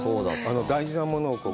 大事なものを。